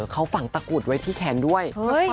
เขาฝังตะกุดไว้ที่แขนด้วย